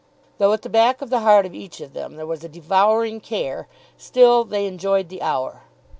Though at the back of the heart of each of them there was a devouring care, still they enjoyed the hour.